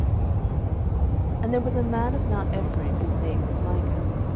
07:017:001 And there was a man of mount Ephraim, whose name was Micah.